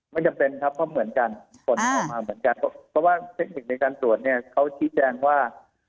ไม่จำเป็นครับเพราะเหมือนกันผลออกมาเหมือนกันเพราะว่าเทคนิคในการตรวจเนี่ยเขาชี้แจงว่า